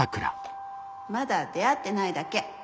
まだ出会ってないだけ。